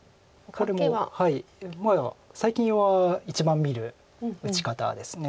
これも最近は一番見る打ち方です。